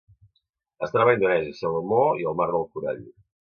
Es troba a Indonèsia, Salomó i el Mar del Corall.